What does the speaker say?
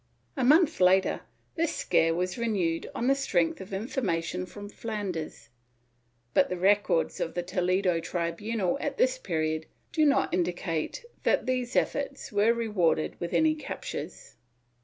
A month later, this scare was renewed on the strength of information from Flanders, but the records of the Toledo tribimal at this period do not indicate that these efforts were rewarded with any captures.